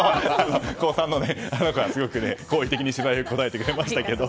あの子はすごく好意的に取材に答えてくれましたけど。